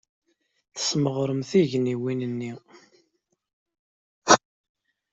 Tesmeɣrem tugniwin-nni.